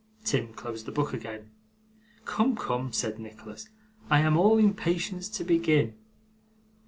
Tim closed the book again. 'Come, come,' said Nicholas, 'I am all impatience to begin.